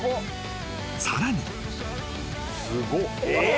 ［さらに］